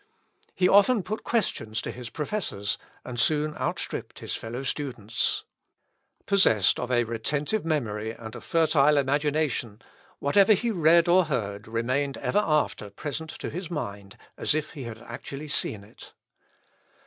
He often put questions to his professors, and soon outstripped his fellow students. Possessed of a retentive memory and a fertile imagination, whatever he read or heard remained ever after present to his mind, as if he had actually seen it.